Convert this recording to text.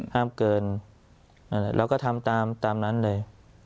ห้ามเกินแล้วก็ทำตามตามนั้นเลย